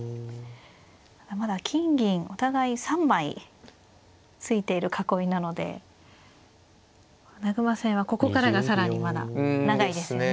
まだまだ金銀お互い３枚ついている囲いなので穴熊戦はここからが更にまだ長いですよね。